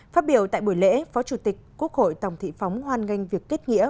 phát biểu tại buổi lễ phó chủ tịch quốc hội tòng thị phóng hoan nghênh việc kết nghĩa